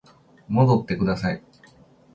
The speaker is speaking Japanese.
戻ってください